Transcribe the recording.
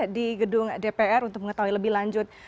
di gen raya